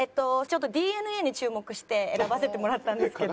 ＤＮＡに注目して選ばせてもらったんですけど。